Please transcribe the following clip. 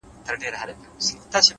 پوهه د انتخابونو وزن درک کوي؛